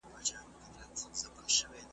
ځلېدل به یې په لمر کي چاغ ورنونه .